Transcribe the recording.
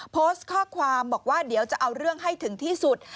โพสต์ข้อความบอกว่าเดี๋ยวจะเอาเรื่องให้ถึงที่สุด